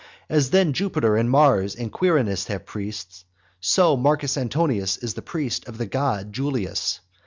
As then Jupiter, and Mars, and Quirinus have priests, so Marcus Antonius is the priest of the god Julius.